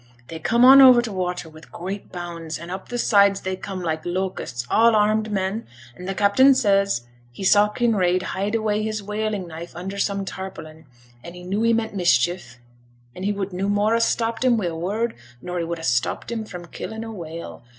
they coome on over t' watters wi' great bounds, and up t' sides they coome like locusts, all armed men; an' t' captain says he saw Kinraid hide away his whaling knife under some tarpaulin', and he knew he meant mischief, an' he would no more ha' stopped him wi' a word nor he would ha' stopped him fra' killing a whale.